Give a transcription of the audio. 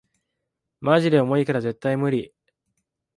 マジで重いから絶対ムリ